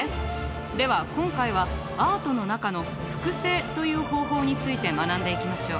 では今回はアートの中の「複製」という方法について学んでいきましょう。